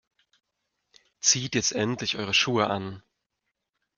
Zieht jetzt endlich eure Schuhe an.